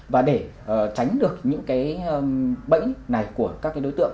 và để tránh được những bẫy này của các đối tượng